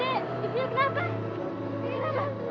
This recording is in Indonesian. iya pak tolong bantu pak